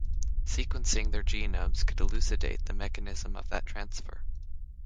Sequencing their genomes could elucidate the mechanism of that transfer.